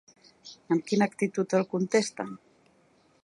Amb quina actitud el contesten?